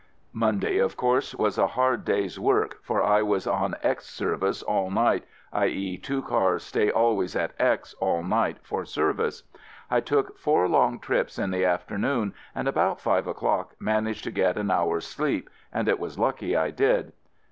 Monday, of course, was a hard day's work, for I was on X service all night (i.e., two cars stay always in X all night for service). I took four long trips in the afternoon and about five o'clock managed to get an hour's sleep, and it was lucky I did.